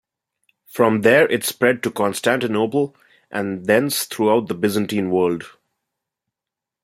From there it spread to Constantinople, and thence throughout the Byzantine world.